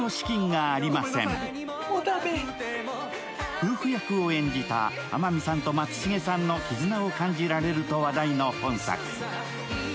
夫婦役を演じた天海さんと松重さんの絆を感じられると話題の本作。